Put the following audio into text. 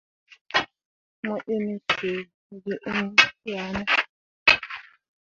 Mo inni suu gi iŋ yah ne.